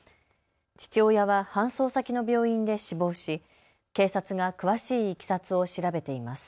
父親は搬送先の病院で死亡し警察が詳しいいきさつを調べています。